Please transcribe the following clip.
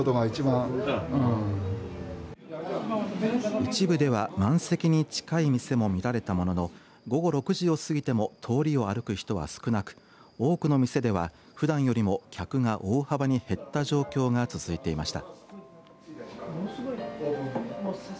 一部では満席に近い店も見られたものの午後６時を過ぎても通りを歩く人は少なく多くの店ではふだんよりも客が大幅に減った状況が続いていました。